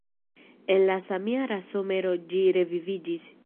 En la samjara somero ĝi reviviĝis.